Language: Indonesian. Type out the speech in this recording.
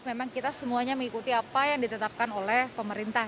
memang kita semuanya mengikuti apa yang ditetapkan oleh pemerintah